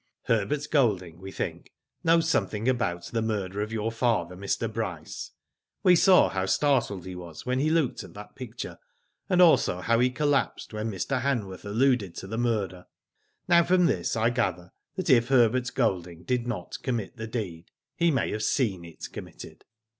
Herbert Golding, we think, knows something about the murder of your father, Mr. Bryce. We saw how startled he was when he looked at that picture, and also how he collapsed when Mr. Hanworth alluded to the murder. Now from this, I gather, that if Herbert Golding did not commit the deed, he may have seen it committed."